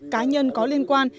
cá nhân có liên quan